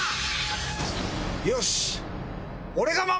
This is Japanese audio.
よし！